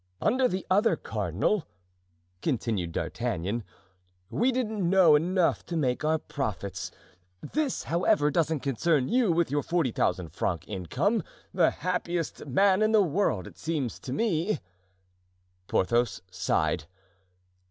"Under the other cardinal," continued D'Artagnan, "we didn't know enough to make our profits; this, however, doesn't concern you, with your forty thousand francs income, the happiest man in the world, it seems to me." Porthos sighed.